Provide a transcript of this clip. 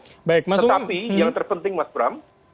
tetapi yang terpenting mas bram